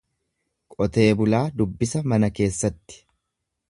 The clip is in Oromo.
Qotee bulaa dubbisa mana keessatti.